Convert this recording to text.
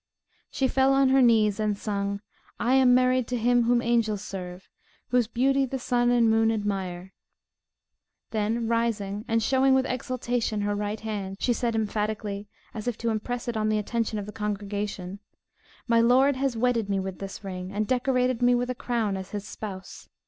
She fell on her knees, and sung, "I am married to him whom angels serve, whose beauty the sun and moon admire;" then rising, and showing with exultation her right hand, she said, emphatically, as if to impress it on the attention of the congregation, "My Lord has wedded me with this ring, and decorated me with a crown as his spouse.